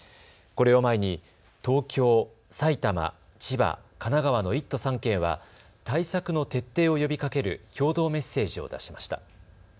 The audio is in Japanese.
これを前に東京、埼玉、千葉、神奈川の１都３県は対策の徹底を呼びかける共同メッセージを出しました。